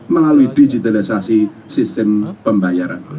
melalui digitalisasi sistem pembayaran